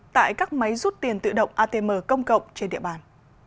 tại các máy rút tiền tự động atm công cộng trên địa bàn